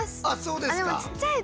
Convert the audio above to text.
ああそう？